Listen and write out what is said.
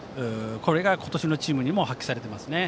これが今年のチームにも発揮されていますね。